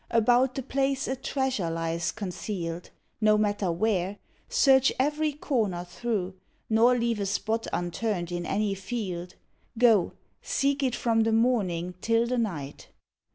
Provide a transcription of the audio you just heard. About the place a treasure lies concealed, No matter where, search every corner through, Nor leave a spot unturned in any field. Go, seek it from the morning till the night."